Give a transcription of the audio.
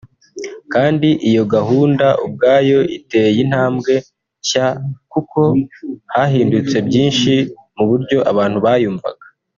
kandi iyo gahunda ubwayo iteye intambwe nshya kuko hahindutse byinshi mu buryo abantu bayumvaga